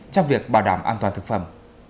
trong việc bảo đảm an toàn thực phẩm